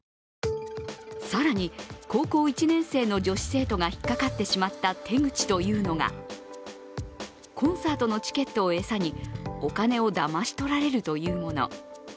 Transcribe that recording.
更に、高校１年生の女子生徒が引っかかってしまった手口というのがコンサートのチケットをえさにお金をだまし取られるというもの。